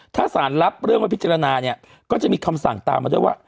ถ้าสารรับเรื่องไว้พิจารณาเนี่ยก็จะมีคำสั่งตามมาด้วยว่า